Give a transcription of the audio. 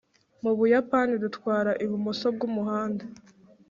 mu buyapani, dutwara ibumoso bwumuhanda